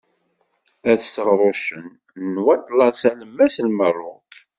At Seɣrucen n Waṭlas Alemmas n Merruk.